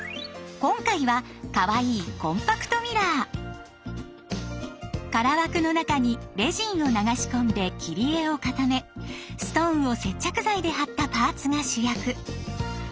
今回はかわいい空枠の中にレジンを流し込んで切り絵を固めストーンを接着剤で貼ったパーツが主役。